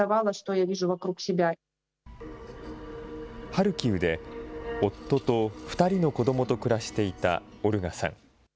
ハルキウで、夫と２人の子どもと暮らしていたオルガさん。